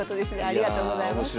ありがとうございます。